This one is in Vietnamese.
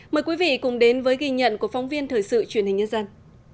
mời quý vị cùng đến với ghi nhận của phóng viên thời sự truyền hình nhân dân